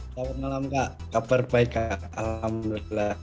selamat malam kak kabar baik kak alhamdulillah